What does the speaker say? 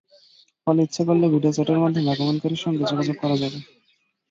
ফলে ইচ্ছে করলেই ভিডিও চ্যাটের মাধ্যমে আগমনকারীর সঙ্গে যোগাযোগ করা যাবে।